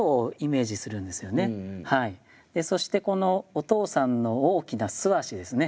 そしてこのお父さんの大きな素足ですね